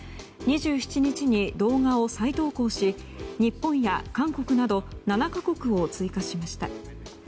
２７日に動画を再投稿し日本や韓国など７か国を追加しました。